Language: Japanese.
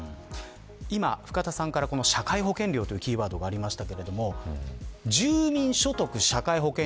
今、深田さんから社会保険料というキーワードがありました。